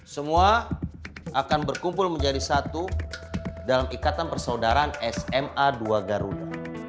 semua akan berkumpul menjadi satu dalam ikatan persaudaraan sma dua garuda